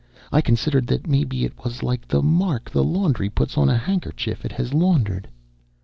I considered that maybe it was like the mark the laundry puts on a handkerchief it has laundered."